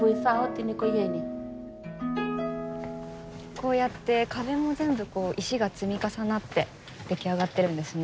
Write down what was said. こうやって壁も全部石が積み重なって出来上がっているんですね。